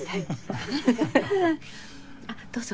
あどうぞ。